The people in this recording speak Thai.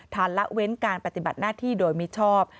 ละเว้นการปฏิบัติหน้าที่โดยมิชอบ